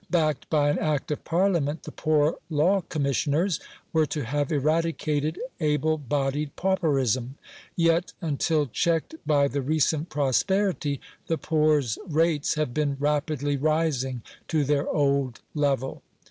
Backed by an act of parliament, the Poor Law Commissioners were to have eradi cated able bodied pauperism: yet, until checked by the re cent prosperity, the poors' rates have been rapidly rising to their old level.